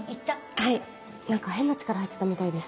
はい何か変な力入ってたみたいです。